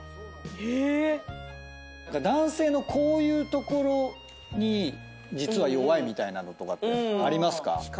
えっ⁉男性のこういうところに実は弱いみたいなのとかってありますか？